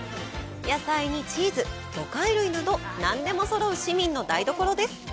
野菜にチーズ、魚介類など何でもそろう市民の台所です。